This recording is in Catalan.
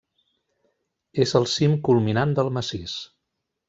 És el cim culminant del massís.